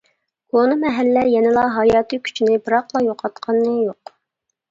كونا مەھەللە يەنىلا ھاياتىي كۈچىنى، بىراقلا يوقاتقىنى يوق.